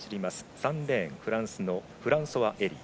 ３レーン、フランスのフランソワエリー。